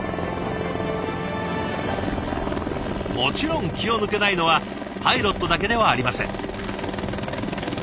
もちろん気を抜けないのはパイロットだけではありません。